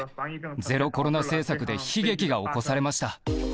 ゼロコロナ政策で悲劇が起こされました。